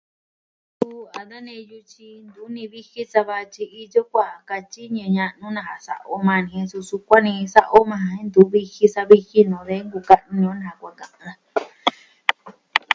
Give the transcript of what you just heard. Suu a da neyu tyi ntu ni viji sava ja tyi iyo kuaan katyi ñivɨ ña'nu nuu nasa sa'a o majan ni, suu sukuan ni sa'a o majan jen ntu viji sa'a viji ji nuu on de nkuka'nu ini on nasa kuaa sa'a o majan.